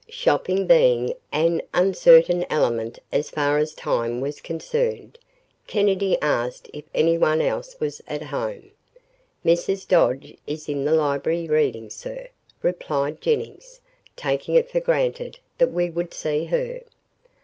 Shopping being an uncertain element as far as time was concerned, Kennedy asked if anyone else was at home. "Mrs. Dodge is in the library reading, sir," replied Jennings, taking it for granted that we would see her.